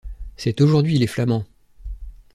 C’est aujourd’hui les flamands!